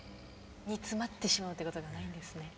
煮詰まってしまうっていうことがないんですね。